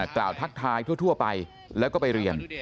ทักทายทั่วไปแล้วก็ไปเรียน